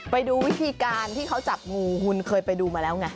ไปดูวิธีการที่เขาจับงูคุณเคยไปดูมาแล้วไง